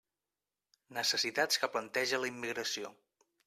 Necessitats que planteja la immigració.